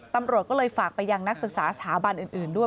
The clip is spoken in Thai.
ตำรวจก็เลยฝากไปยังนักศึกษาสถาบันอื่นด้วย